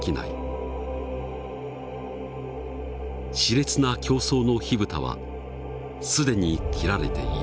熾烈な競争の火蓋は既に切られている。